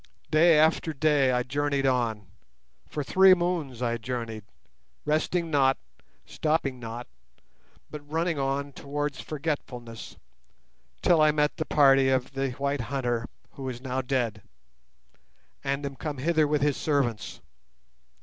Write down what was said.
Day after day I journeyed on; for three moons I journeyed, resting not, stopping not, but running on towards forgetfulness, till I met the party of the white hunter who is now dead, and am come hither with his servants.